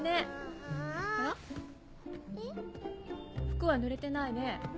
服はぬれてないね。